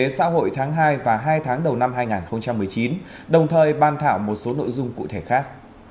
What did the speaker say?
xã hội tháng hai và hai tháng đầu năm hai nghìn một mươi chín đồng thời ban thảo một số nội dung cụ thể khác